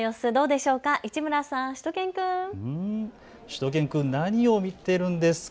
しゅと犬くん、何を見ているんですか。